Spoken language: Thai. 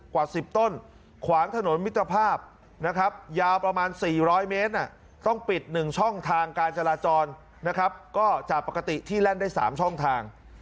กว่า๑๐ต้นขวางถนนมิตรภาพนะครับยาวประมาณ๔๐๐เมตรต้องปิด๑ช่องทางการจราจรนะครับก็จากปกติที่แล่นได้๓ช่องทาง